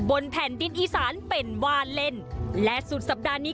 บนแผ่นดินอีสานเป็นว่าเล่นและสุดสัปดาห์นี้